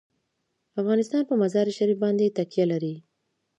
افغانستان په مزارشریف باندې تکیه لري.